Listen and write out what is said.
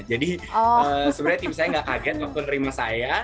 jadi sebenarnya tim saya gak kaget waktu terima saya